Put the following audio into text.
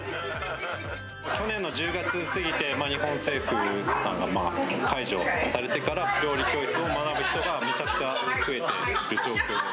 去年の１０月過ぎて、日本政府さんが解除されてから、料理教室を学ぶ人が、めちゃくちゃ増えてる状況です。